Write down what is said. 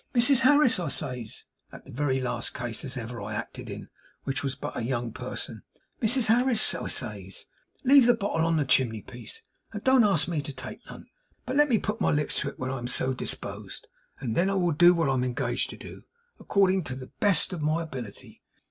"Mrs Harris," I says, at the very last case as ever I acted in, which it was but a young person, "Mrs Harris," I says, "leave the bottle on the chimley piece, and don't ask me to take none, but let me put my lips to it when I am so dispoged, and then I will do what I'm engaged to do, according to the best of my ability."